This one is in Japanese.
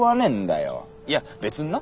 いや別にな